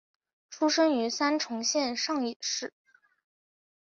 出生于三重县上野市。